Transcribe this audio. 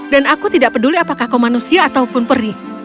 dan aku tidak peduli apakah kau manusia ataupun peri